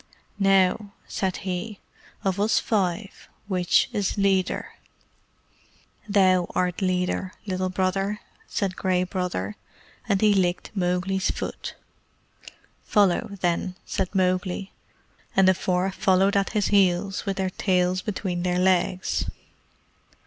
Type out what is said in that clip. "Now," said he, "of us five, which is leader?" "Thou art leader, Little Brother," said Gray Brother, and he licked Mowgli's foot. "Follow, then," said Mowgli, and the four followed at his heels with their tails between their legs.